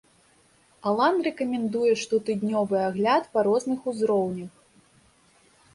Алан рэкамендуе штотыднёвы агляд па розных узроўнях.